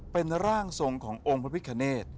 เป็นร่างทรงขององค์พระพิคเนธ